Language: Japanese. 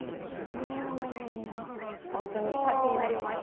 本当にハッピーになりました。